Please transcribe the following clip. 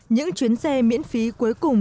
những chuyến xe miễn phí cuối cùng